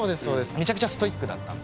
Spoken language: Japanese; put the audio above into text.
めちゃくちゃストイックだったんですよ。